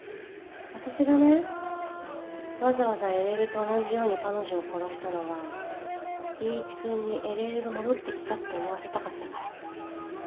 私がねわざわざ ＬＬ と同じように彼女を殺したのは Ｂ 一君に ＬＬ が戻ってきたって思わせたかったから